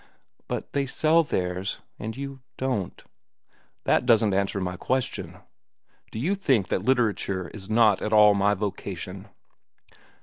"But they sell theirs, and you—don't." "That doesn't answer my question. Do you think that literature is not at all my vocation?"